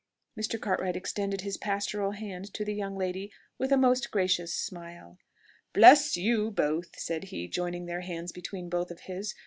Mr. Cartwright extended his pastoral hand to the young lady with a most gracious smile. "Bless you both!" said he, joining their hands between both of his.